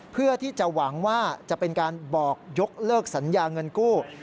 เพื่อที่จะหวังว่าจะเป็นการบอกยกเลิกสัญญาเงินกู้